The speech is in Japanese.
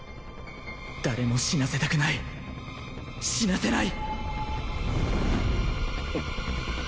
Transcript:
誰も死なせたくない死なせない！